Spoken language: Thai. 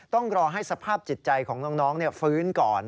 ต้องรอให้สภาพจิตใจของน้องฟื้นก่อน